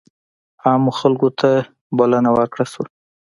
عامو خلکو ته بلنه ورکړل شوه.